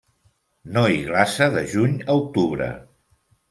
No hi glaça de juny a octubre.